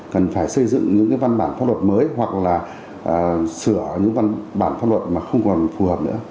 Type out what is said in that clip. cần phải xây dựng những văn bản pháp luật mới hoặc là sửa những văn bản pháp luật mà không còn phù hợp nữa